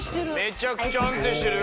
「めちゃくちゃ安定してる」